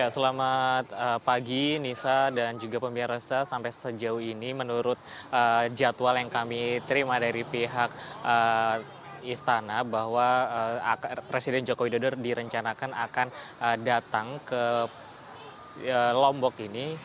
selamat pagi nisa dan juga pemirsa sampai sejauh ini menurut jadwal yang kami terima dari pihak istana bahwa presiden joko widodo direncanakan akan datang ke lombok ini